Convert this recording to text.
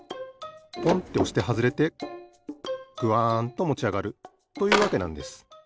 ポンっておしてはずれてグワンともちあがるというわけなんです。